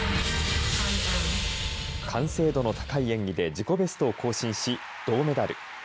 完成度の高い演技で自己ベストを更新し銅メダル。